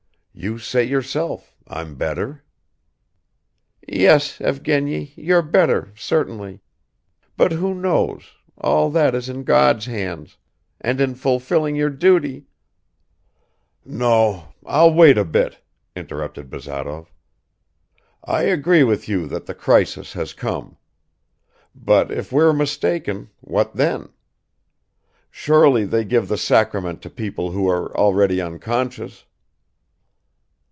You say yourself, I'm better." "Yes, Evgeny, you're better, certainly, but who knows, all that is in God's hands, and in fulfilling your duty .." "No, I'll wait a bit," interrupted Bazarov. "I agree with you that the crisis has come. But if we're mistaken, what then? Surely they give the sacrament to people who are already unconscious."